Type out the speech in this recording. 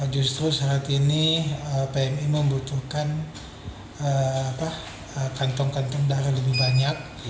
justru saat ini pmi membutuhkan kantong kantong darah lebih banyak